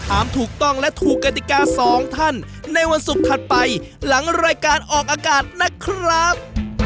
เจอกันในวันศุกร์ถัดไปหลังรายการออกอากาศนะครับ